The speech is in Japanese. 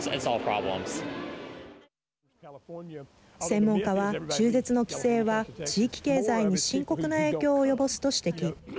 専門家は中絶の規制は地域経済に深刻な影響を及ぼすと指摘。